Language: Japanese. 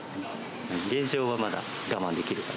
現状はまだ我慢できると。